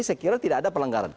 saya kira tidak ada pelanggaran